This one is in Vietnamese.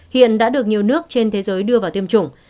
hiện đã được nhiều nước trên thế giới đưa vào tiêm chủng